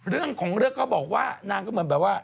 เรื่องของเรื่องก็บอกว่านางก็เหมือนแบบว่า